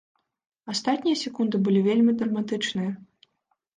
Астатнія секунды былі вельмі драматычныя.